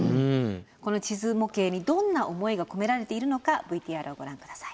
この地図模型にどんな思いが込められているのかＶＴＲをご覧下さい。